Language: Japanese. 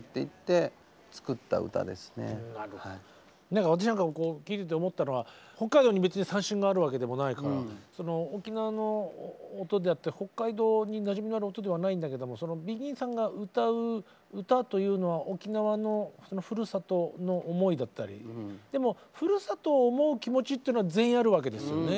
何か私なんか聴いてて思ったのは北海道に別に三線があるわけでもないからその沖縄の音であって北海道になじみのある音ではないんだけどもそのＢＥＧＩＮさんが歌う歌というのは沖縄のふるさとの思いだったりでもふるさとを思う気持ちっていうのは全員あるわけですよね。